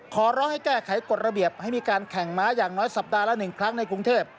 ขอร้องให้แก้ไขกฎระเบียบให้มีการแข่งม้าอย่างน้อยสัปดาห์ละ๑ครั้งในกรุงเทพ